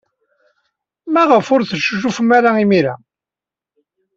Maɣef ur teccucufem ara imir-a?